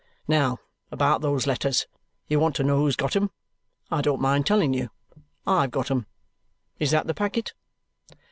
Now about those letters. You want to know who's got 'em. I don't mind telling you. I have got 'em. Is that the packet?"